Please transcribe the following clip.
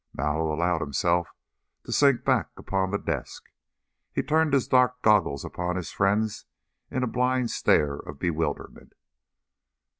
Mallow allowed himself to sink back upon the desk; he turned his dark goggles upon his friends in a blind stare of bewilderment.